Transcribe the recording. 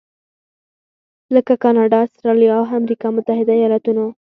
لکه کاناډا، اسټرالیا او امریکا متحده ایالتونو.